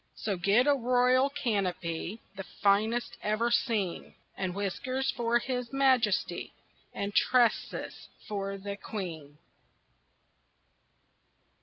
So get a royal canopy, The finest ever seen, And whiskers for his majesty, And tresses for the queen.